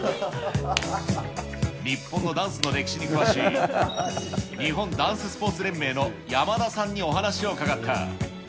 日本のダンスの歴史に詳しい、日本ダンススポーツ連盟の山田さんにお話を伺った。